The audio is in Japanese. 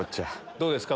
どうですか？